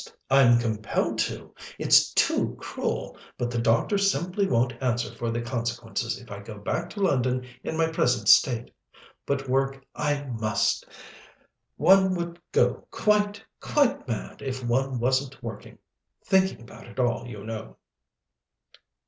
I'm compelled to! It's too cruel, but the doctor simply won't answer for the consequences if I go back to London in my present state. But work I must. One would go quite, quite mad if one wasn't working thinking about it all, you know."